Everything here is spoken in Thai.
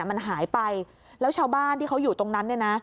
มันหายไปแล้วชาวบ้านที่เขาอยู่ตรงนั้นเนี่ยนะ